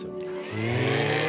へえ！